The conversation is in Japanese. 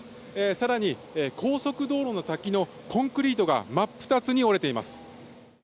更に高速道路の先のコンクリートが真っ二つに折れています。